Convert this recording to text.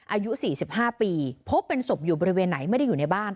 อายุ๔๕ปีพบเป็นศพอยู่บริเวณไหนไม่ได้อยู่ในบ้าน